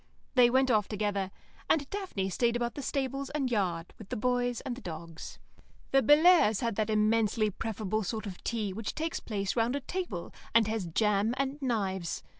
They went off together, and Daphne stayed about the stables and yard with the boys and the dogs. The Bellairs' had that immensely preferable sort of tea which takes place round a table, and has jam and knives.